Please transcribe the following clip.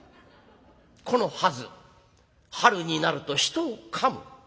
このハズ春になると人をかむ。